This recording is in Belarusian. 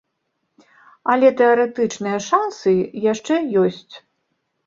Але тэарэтычныя шанцы яшчэ ёсць.